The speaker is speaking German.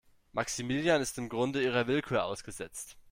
Maximilian ist im Grunde ihrer Willkür ausgesetzt.